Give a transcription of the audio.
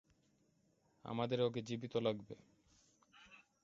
আমাদের ওকে জীবিত লাগবে।